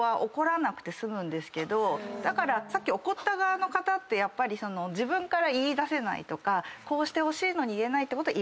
だからさっき怒った側の方って自分から言いだせないとかこうしてほしいのに言えないってイライラする。